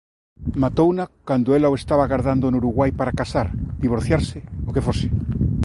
Matouna cando ela o estaba agardando no Uruguai para casar, divorciarse, o que fose.